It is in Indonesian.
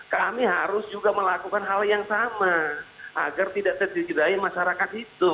kami harus juga melakukan hal yang sama agar tidak terjudai masyarakat itu